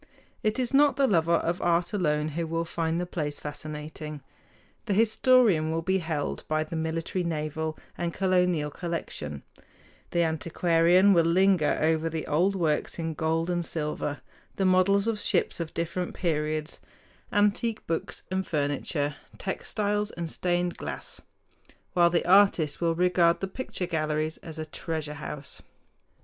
It is not the lover of art alone who will find the place fascinating: the historian will be held by the military, naval, and colonial collection; the antiquarian will linger over the old works in gold and silver, the models of ships of different periods, antique books and furniture, textiles and stained glass; while the artist will regard the picture galleries as a treasure house.